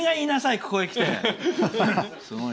ここへ来て。